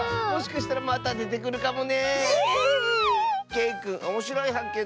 けいくんおもしろいはっけん